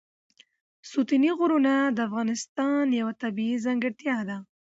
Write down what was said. ستوني غرونه د افغانستان یوه طبیعي ځانګړتیا ده.